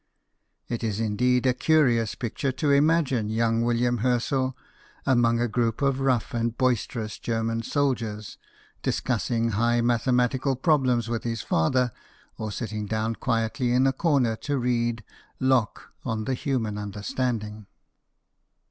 It is indeed a curious picture to imagine young William Herschel, among a group of rough and boisterous German soldiers, discussing high mathematical problems with his father, or sit ting down quietly in a corner to read " Locke on the Human Understanding."